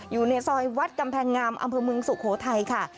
อยู่ในซอยวัดกำแพงงามอำเภอเมืองสุโขทัยค่ะ